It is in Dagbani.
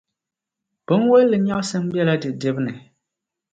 Binwalli nyaɣisim bela di dibu ni.